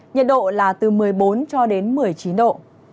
nhiệt độ là từ một mươi bốn cho đến một mươi chín độ